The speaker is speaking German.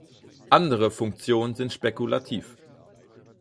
Andere Funktionen sind spekulativ.